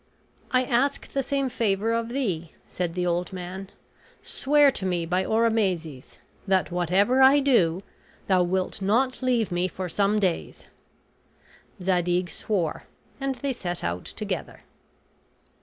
"I ask the same favor of thee," said the old man; "swear to me by Oromazes, that whatever I do, thou wilt not leave me for some days." Zadig swore, and they set out together.